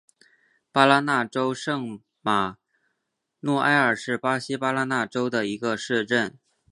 巴拉那州圣马诺埃尔是巴西巴拉那州的一个市镇。